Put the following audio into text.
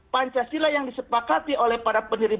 pancasila yang disepakati oleh para pendiri